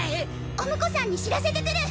お婿さんに知らせてくる。